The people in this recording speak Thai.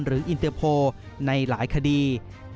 อินเตอร์โพลในหลายคดี